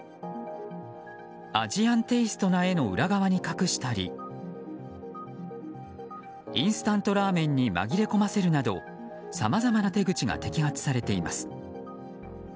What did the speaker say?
アジアンテイストな絵の裏側に隠したりインスタントラーメンに紛れ込ませるなどさまざまな手口が摘発されています。